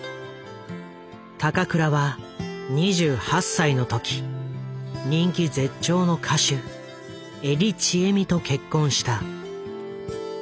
高倉は２８歳の時人気絶頂の歌手江利チエミと結婚した。